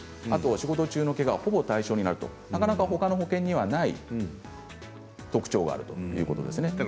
あと仕事中のけがはほぼ対象になるというなかなか、ほかの保険にはない特徴があるということですね。